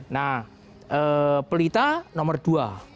nah pelita nomor dua